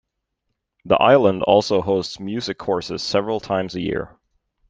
The island also hosts music courses several times a year.